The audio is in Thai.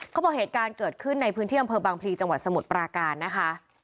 เหตุการณ์เกิดขึ้นในพื้นที่อำเภอบางพลีจังหวัดสมุทรปราการนะคะ